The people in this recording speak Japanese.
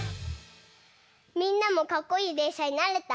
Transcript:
みんなもかっこいいでんしゃになれた？